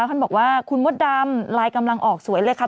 ท่านบอกว่าคุณมดดำลายกำลังออกสวยเลยค่ะ